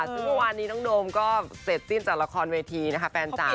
ซึ่งเมื่อวานนี้น้องโดมก็เสร็จสิ้นจากละครเวทีนะคะแฟนจ๋า